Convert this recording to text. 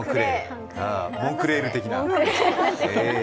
モンクレール的な。